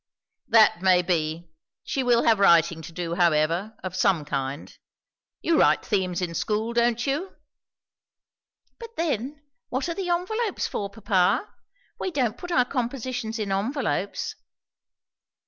"That may be. She will have writing to do, however, of some kind. You write themes in school, don't you?" "But then, what are the envelopes for, papa? We don't put our compositions in envelopes."